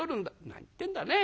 「何言ってんだね。